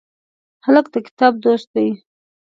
هلک د کتاب دوست دی.